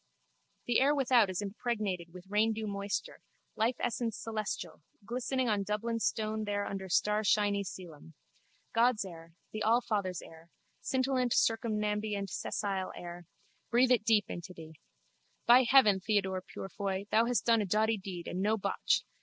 The air without is impregnated with raindew moisture, life essence celestial, glistening on Dublin stone there under starshiny coelum. God's air, the Allfather's air, scintillant circumambient cessile air. Breathe it deep into thee. By heaven, Theodore Purefoy, thou hast done a doughty deed and no botch!